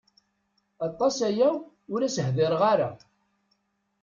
Aṭas aya ur as-hdireɣ ara.